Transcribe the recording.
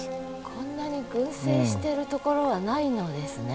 こんなに群生してるところはないのですね？